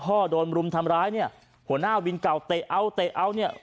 แล้วบอกว่าพ่อโดนมรุมทำร้ายเนี่ยหัวหน้าวินเก่าเตะเอาเนี่ย